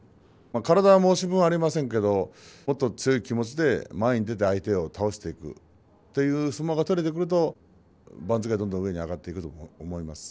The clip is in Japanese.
体は申し分ありませんけれどもっと強い気持ちで前に出て相手を倒していくという相撲が取れてくると番付、どんどん上に上がってくると思います。